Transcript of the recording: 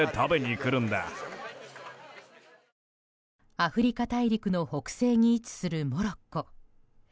アフリカ大陸の北西に位置するモロッコ。